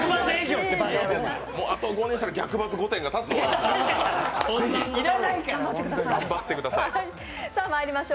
あと５年したら逆バズ御殿が建つと思います。